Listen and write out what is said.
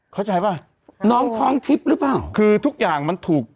เข้าใจป่ะน้องท้องทิพย์หรือเปล่าคือทุกอย่างมันถูก